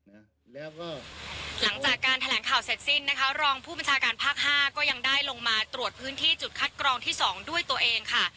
แล้วก็หลังจากการแถลงข่าวเสร็จสิ้นนะคะรองผู้บัญชาการภาคห้าก็ยังได้ลงมาตรวจพื้นที่จุดคัดกรองที่สองด้วยตัวเองค่ะ